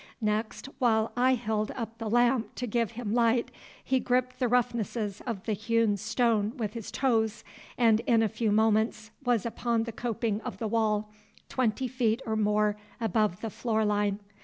Next, while I held up the lamp to give him light, he gripped the roughnesses of the hewn stone with his toes, and in a few moments was upon the coping of the wall, twenty feet or more above the floor line.